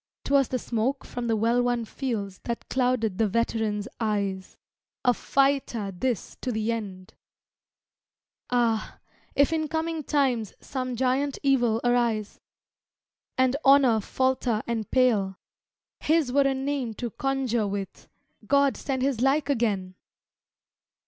'Twas the smoke from the well won fields That clouded the veteran's eyes. A fighter this to the end! Ah, if in coming times Some giant evil arise, And Honor falter and pale, His were a name to conjure with! God send his like again!